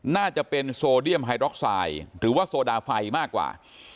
น่าจะเป็นโซเดียมไฮร็อกไซด์หรือว่าโซดาไฟมากกว่า